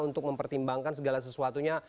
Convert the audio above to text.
untuk mempertimbangkan segala sesuatunya